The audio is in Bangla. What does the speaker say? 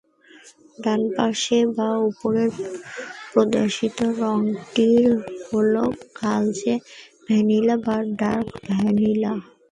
ডানপাশে বা উপরে প্রদর্শিত রঙটি হলো কালচে ভ্যানিলা বা ডার্ক ভ্যানিলা।